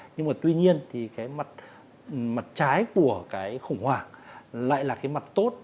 nhưng mà tuy nhiên mặt trái của khủng hoảng lại là mặt tốt